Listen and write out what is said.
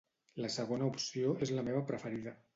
La segona opció és la meva preferida.